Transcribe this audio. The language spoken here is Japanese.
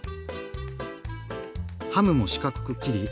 ハムも四角く切り